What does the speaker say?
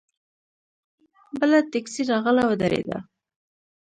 بله ټیکسي راغله ودرېده.